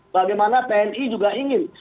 bagaimana tni juga ingin